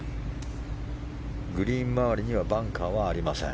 グリーン周りにはバンカーはありません。